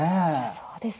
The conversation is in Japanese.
そうです。